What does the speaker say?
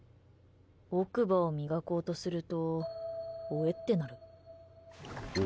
奥歯を磨こうとするとオエッてなる。